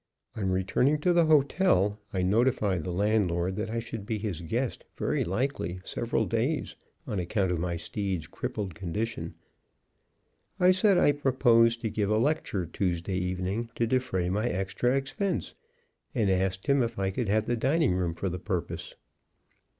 On returning to the hotel, I notified the landlord that I should be his guest very likely several days on account of my steed's crippled condition; I said I proposed to give a lecture Tuesday evening to defray my extra expense, and asked him if I could have the dining room for the purpose.